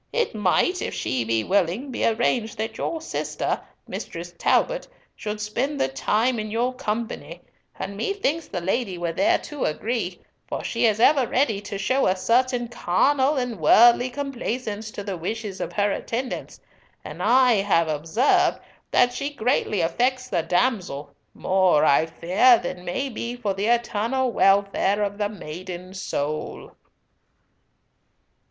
It might—if she be willing—be arranged that your sister, Mistress Talbot, should spend the time in your company, and methinks the lady will thereto agree, for she is ever ready to show a certain carnal and worldly complaisance to the wishes of her attendants, and I have observed that she greatly affects the damsel, more, I fear, than may be for the eternal welfare of the maiden's soul."